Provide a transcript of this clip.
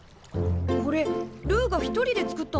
これルーが一人で作ったの？